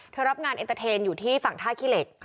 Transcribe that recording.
รับงานเอ็นเตอร์เทนอยู่ที่ฝั่งท่าขี้เหล็ก